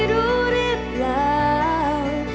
รู้หรือเปล่า